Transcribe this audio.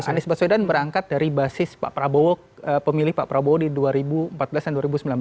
anies baswedan berangkat dari basis pak prabowo pemilih pak prabowo di dua ribu empat belas dan dua ribu sembilan belas